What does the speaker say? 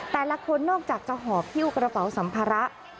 แต่ละคนนอกจากจะหอบฮิ้วกระเป๋าสัมภาระ